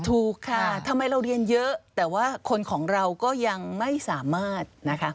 ถูกค่ะทำไมเราเรียนเยอะแต่ว่าคนของเราก็ยังไม่สามารถนะคะ